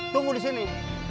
tunggu di sini